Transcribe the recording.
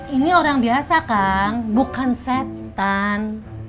ini orang biasa kan bukan setan